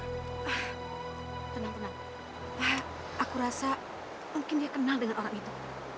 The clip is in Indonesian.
tenang aku rasa mungkin dia kenal dengan orang itu